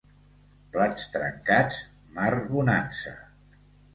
Plats trencats, mar bonança.